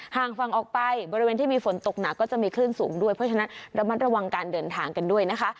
ห่างฝั่งออกไปบริเวณที่มีฝนตกหนักก็จะมีคลื่นสูงด้วยเพราะฉะนั้นระมัดระวังการเดินทางกันด้วยนะคะ